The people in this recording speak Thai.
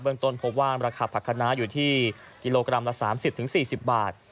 เบื้องต้นพบว่างราคาผักขนาอยู่ที่กิโลกรัมละ๓๐๔๐บาท